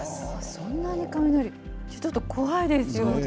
そんなに雷、ちょっと怖いですよね。